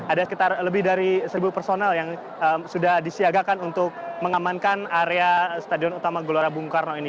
ada sekitar lebih dari seribu personel yang sudah disiagakan untuk mengamankan area stadion utama gelora bung karno ini